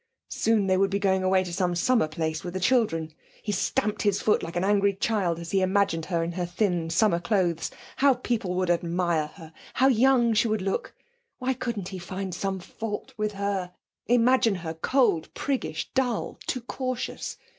Soon they would be going away to some summer place with the children. He stamped his foot like an angry child as he imagined her in her thin summer clothes. How people would admire her! How young she would look! Why couldn't he find some fault with her? imagine her cold, priggish, dull, too cautious.